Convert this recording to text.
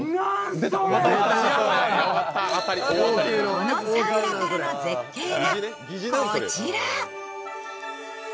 このサウナからの絶景がこちら。